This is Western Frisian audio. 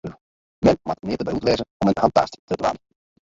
Men moat nea te beroerd wêze om in hantaast te dwaan.